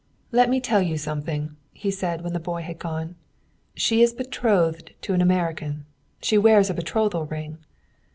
"Let me tell you something," he said when the boy had gone. "She is betrothed to an American. She wears a betrothal ring.